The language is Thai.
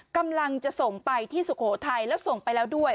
กำลังจะส่งไปที่สุโขทัยแล้วส่งไปแล้วด้วย